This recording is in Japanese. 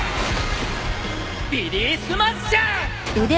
ビリースマッシャー！